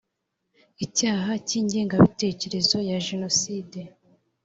icyaha cy’ingengabitekerezo ya jenoside